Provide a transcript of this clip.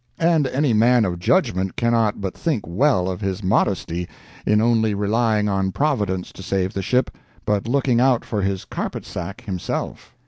And any man of judgment cannot but think well of his modesty in only relying on Providence to save the ship, but looking out for his carpet sack himself.